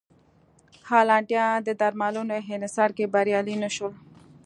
هالنډیان د درملو انحصار کې بریالي نه شول.